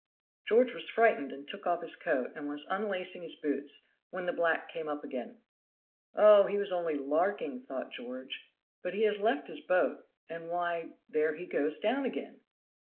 George was frightened and took off his coat, and was unlacing his boots when the black came up again. "Oh, he was only larking," thought George. "But he has left his boat and why, there he goes down again!"